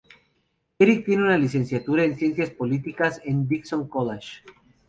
Eric tiene una licenciatura en ciencias políticas en "Dickinson College".